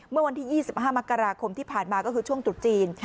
เมื่อวันที่๒๕มกราคมที่ผ่านมาก็คือช่วงตรุษจีน